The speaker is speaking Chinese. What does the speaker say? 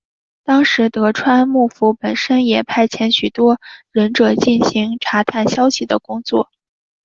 当时的德川幕府本身也派遣许多忍者进行查探消息的工作。